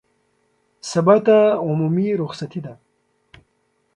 سبا ته عمومي رخصتي ده